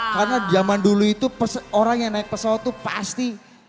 karena zaman dulu itu orang yang naik pesawat itu pasti